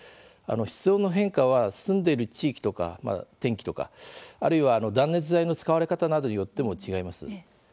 室温の変化は住んでいる地域とか天気とかあるいは断熱材の使われ方などによっても違います。